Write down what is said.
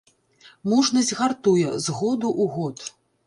Мужнасць гартуе, з году ў год.